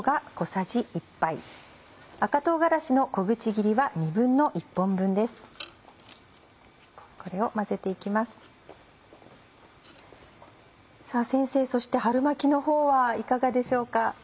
さぁ先生そして春巻きのほうはいかがでしょうか？